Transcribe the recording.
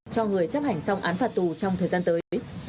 cho người chấp hành xong án phạt tù trong thời gian tới